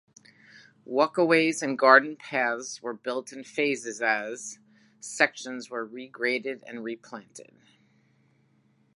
Walkways and garden paths were built in phases as, sections were regraded and replanted.